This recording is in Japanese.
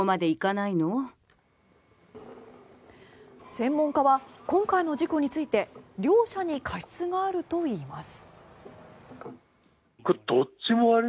専門家は今回の事故について両者に過失があるといいます。